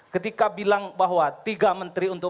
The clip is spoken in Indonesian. ketika bilang bahwa tiga menteri untuk